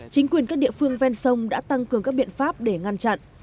chính quyền các địa phương ven sông đã tăng cường các biện pháp để ngăn chặn